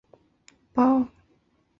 死后赠太子少保。